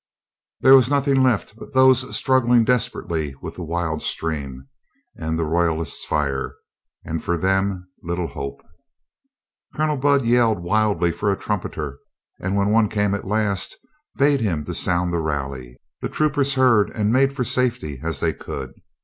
There was nothing left but those strug gling desperately with the wild stream and the Roy 256 COLONEL GREATHEART alist fire, and for them little hope. Colonel Budd yelled wildly for a trumpeter and when one came at last bade him sound the rally. The troopers heard and made for safety as they could.